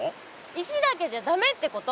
石だけじゃだめってこと。